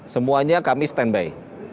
semuanya kami stand by